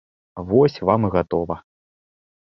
Вось вам і гатова!